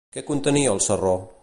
Què contenia el sarró?